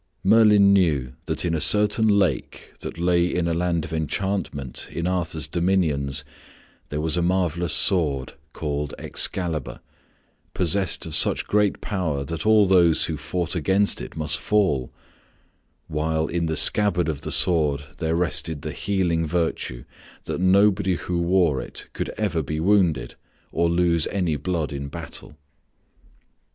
Merlin knew that in a certain lake that lay in a land of enchantment in Arthur's dominions, there was a marvelous sword called "Excalibur," possessed of such great power that all those who fought against it must fall, while in the scabbard of the sword there rested the healing virtue that nobody who wore it could ever be wounded or lose any blood in battle.